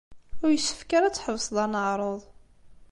Ur yessefk ara ad tḥebseḍ aneɛruḍ.